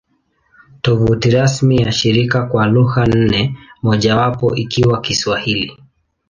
Tovuti rasmi ya shirika kwa lugha nne, mojawapo ikiwa Kiswahili